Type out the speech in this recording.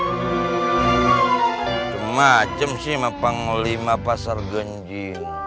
macem macem sih mah panglima pasar genji